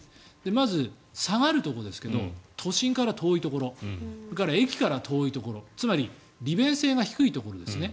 まず下がるところですが都心から遠いところそれから駅から遠いところつまり利便性が低いところですね。